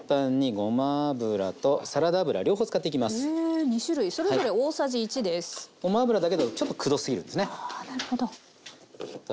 ごま油だけだとちょっとくどすぎるんですね。